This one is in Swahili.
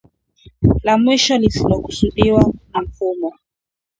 la mwisho lililokusudiwa na mfumo